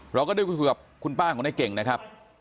เราก็ได้คุยกับคุณป้าของในเก่งนะครับ